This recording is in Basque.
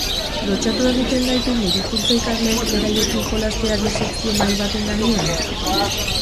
Lotsatu egiten gaitu medikuntza ikasleek beraiekin jolastea disekzio mahai baten gainean?